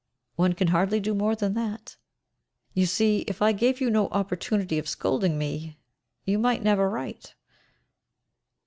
One can hardly do more than that. You see, if I gave you no opportunity of scolding me, you might never write!